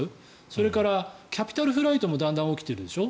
それから、キャピタルフライトもだんだん起きているでしょ。